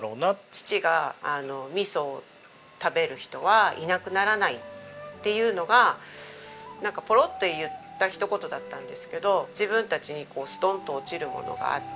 父が「味噌を食べる人はいなくならない」っていうのがなんかポロッと言った一言だったんですけど自分たちにストンと落ちるものがあって。